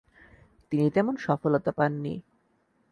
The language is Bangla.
তিনি তেমন সফলতা পাননি।